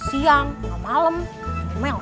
selalu aja kalau dikasih tau icok